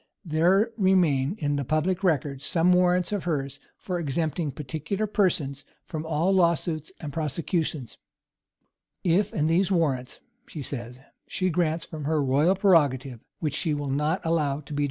There remain in the public records some warrants of hers for exempting particular persons from all law suits and prosecutions;[v*] If and these warrants, she says, she grants from her royal prerogative, which she will not allow to be disputed.